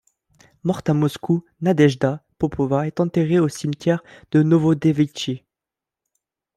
Morte à Moscou, Nadejda Popova est enterrée au cimetière de Novodevitchi.